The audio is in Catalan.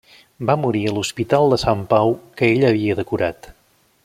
Va morir a l'Hospital de Sant Pau que ell havia decorat.